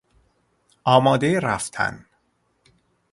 آمادهی رفتن